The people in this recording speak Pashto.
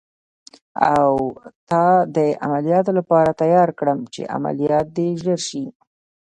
او تا د عملیاتو لپاره تیار کړم، چې عملیات دې ژر شي.